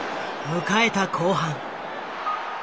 迎えた後半。